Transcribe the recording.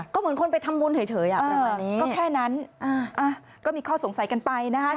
ก็เหมือนคนไปทำบุญเฉยก็แค่นั้นก็มีข้อสงสัยกันไปนะคะ